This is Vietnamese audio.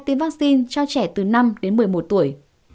tiêm vaccine cho trẻ từ năm đến một mươi một tuổi